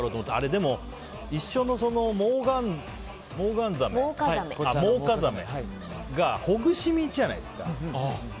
でも、一緒のモウカザメがほぐし身じゃないですか。